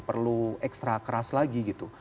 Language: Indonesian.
perlu ekstra keras lagi gitu